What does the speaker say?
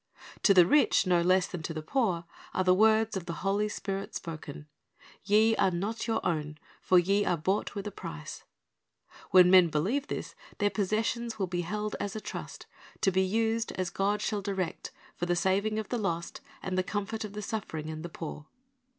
To the rich no less than to the poor are the words of the Holy Spirit spoken, "Ye are not your own; for ye are bought with a price." ^ When men believe this, their possessions will be held as a trust, to be used as God shall direct, for the saving of the lost, and the comfort of the suffering and the poor.